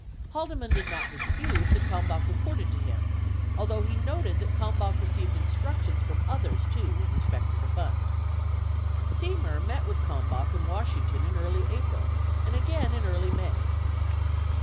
Haldeman did not dispute that Kalmbach re ported to him, although he noted that Kalmbach received instructions from others, too, with respect to the fund. 40 Semer met with Kalmbach in Washington in early April and again in early May.